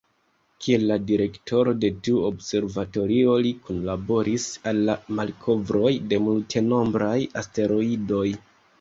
Kiel la direktoro de tiu observatorio, li kunlaboris al la malkovroj de multenombraj asteroidoj.